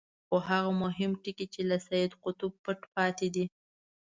خو هغه مهم ټکی چې له سید قطب پټ پاتې دی.